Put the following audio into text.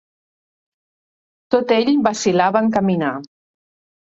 Tot ell vacil·lava en caminar.